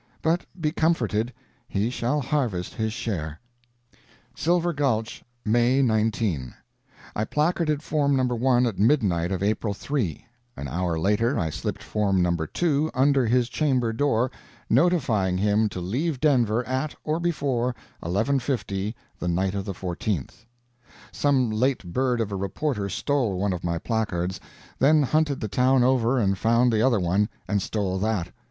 But be comforted he shall harvest his share. SILVER GULCH, May 19 I placarded Form No. 1 at midnight of April 3; an hour later I slipped Form No. 2 under his chamber door, notifying him to leave Denver at or before 11.50 the night of the 14th. Some late bird of a reporter stole one of my placards, then hunted the town over and found the other one, and stole that.